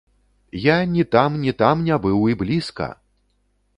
Я ні там, ні там не быў і блізка!